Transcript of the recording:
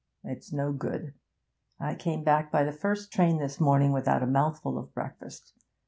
It's no good. I came back by the first train this morning without a mouthful of breakfast.